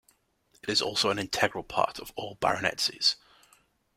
It is also an integral part of all baronetcies.